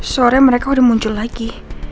sore mereka udah muncul lagi